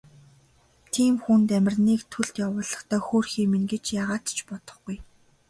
Тийм хүн Дамираныг төлд явуулахдаа хөөрхий минь гэж яагаад ч бодохгүй.